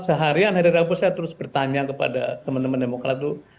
seharian hari rabu saya terus bertanya kepada teman teman demokrat itu